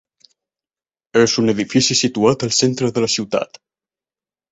És un edifici situat al centre de la ciutat.